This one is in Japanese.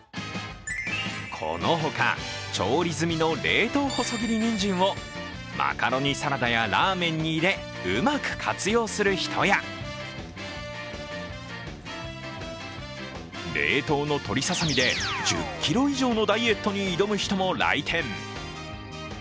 このほか、調理済みの冷凍細切りにんじんをマカロニサラダやラーメンに入れうまく活用する人や冷凍の鶏ささみで１０ｋｇ以上のダイエットに挑む人も来店。